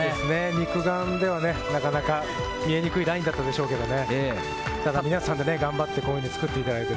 肉眼では、なかなか見えにくいラインだったでしょうけれど、皆さんで頑張ってこういうふうに作っていただいて。